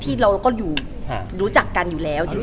เดี๋ยวก็ไปตอนความสัมภัณฑ์ของเราทั้งคู่มันเริ่มยังไง